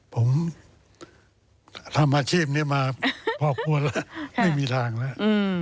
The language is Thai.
ผมทำอาชีพนี้มาพอควรแล้วไม่มีทางแล้ว